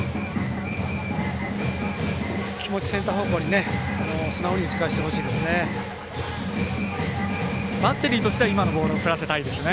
気持ちセンター方向に素直に打ち返してほしいですね。